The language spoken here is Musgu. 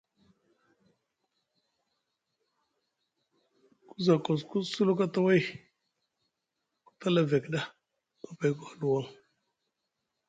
Ku za kosku sulu kataway ku tala evek ɗa, kapay ku huluwaŋ.